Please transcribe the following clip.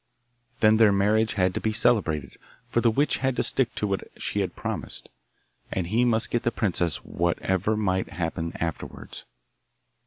Then their marriage had to be celebrated, for the witch had to stick to what she had promised, and he must get the princess whatever might happen afterwards.